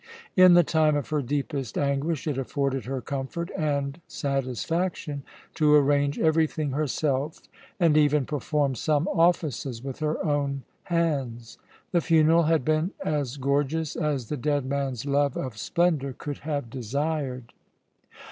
In the time of her deepest anguish it afforded her comfort and satisfaction to arrange everything herself, and even perform some offices with her own hands. The funeral had been as gorgeous as the dead man's love of splendour could have desired.